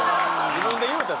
自分で言うた。